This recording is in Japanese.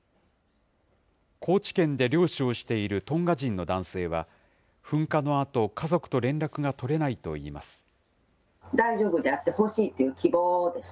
高知県で漁師をしているトンガ人の男性は、噴火のあと、家族と連絡が取れないといいます。